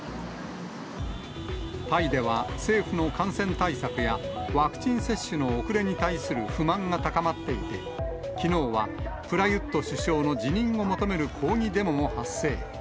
タイでは政府の感染対策や、ワクチン接種の遅れに対する不満が高まっていて、きのうはプラユット首相の辞任を求める抗議デモも発生。